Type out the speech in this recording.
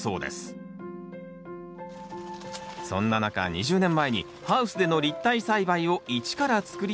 そんな中２０年前にハウスでの立体栽培を一から作り上げたのが開發さんなんです